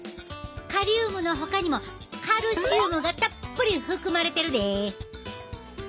カリウムのほかにもカルシウムがたっぷり含まれてるでえ。